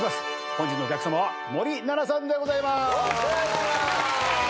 本日のお客さまは森七菜さんでございます。